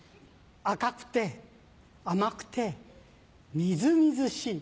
赤くて甘くてみずみずしい。